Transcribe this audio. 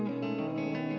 siang tak lama